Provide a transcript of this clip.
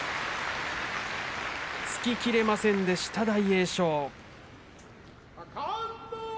突ききれませんでした大栄翔。